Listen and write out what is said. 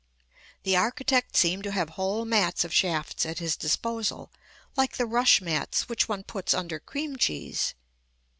The architect seemed to have whole mats of shafts at his disposal, like the rush mats which one puts under cream cheese.